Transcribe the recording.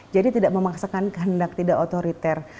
jadi tidak memaksakan kehendak tidak otoriter